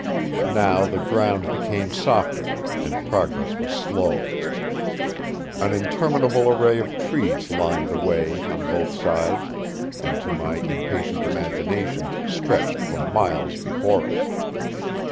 Now the ground became softer, and progress was slow. An interminable array of trees lined the way on both sides, and to my impatient imagination stretched for miles before us.